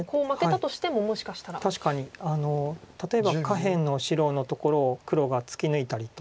例えば下辺の白のところを黒が突き抜いたりとか。